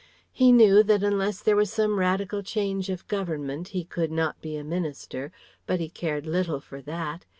He knew that unless there was some radical change of government he could not be a minister; but he cared little for that.